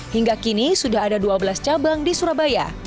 hingga kini sudah ada dua belas cabang di surabaya